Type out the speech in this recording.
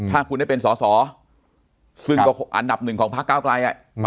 ถ้าคุณได้เป็นสอซึ่งอันดับหนึ่งของภาคเก้ากลาย